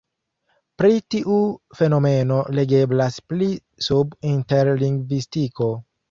Pri tiu fenomeno legeblas pli sub interlingvistiko.